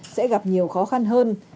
sẽ gặp nhiều khó khăn hơn